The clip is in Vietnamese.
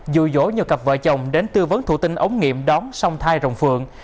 dù dỗ nhiều cặp vợ chồng đến tư vấn thủ tinh ống nghiệm đón song thai rồng phượng